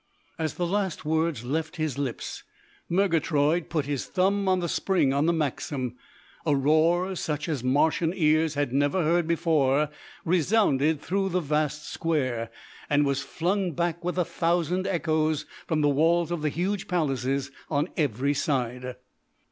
As the last word left his lips Murgatroyd put his thumb on the spring on the Maxim. A roar such as Martian ears had never heard before resounded through the vast square, and was flung back with a thousand echoes from the walls of the huge palaces on every side.